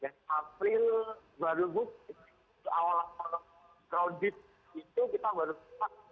dan april baru bukannya awal awal kredit itu kita baru sempat